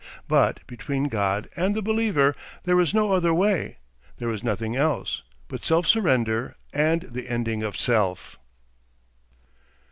But between God and the believer there is no other way, there is nothing else, but self surrender and the ending of self.